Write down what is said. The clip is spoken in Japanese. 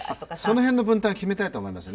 その辺の分担は決めたいと思いますね。